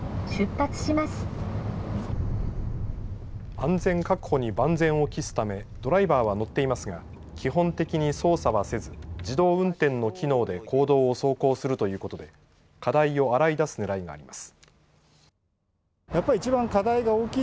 安全確保に万全を期すためドライバーは乗っていますが基本的に操作はせず、自動運転の機能で公道を走行するということで課題を洗い出すねらいがあります。